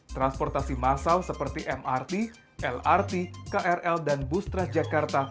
transportasi massal seperti mrt lrt krl dan bustra jakarta